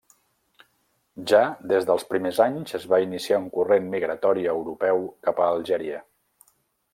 Ja des dels primers anys es va iniciar un corrent migratori europeu cap a Algèria.